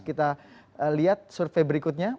kita lihat survei berikutnya